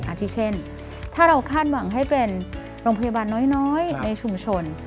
ที่เช่นถ้าเราคาดหวังให้เป็นโรงพยาบาลน้อยในชุมชน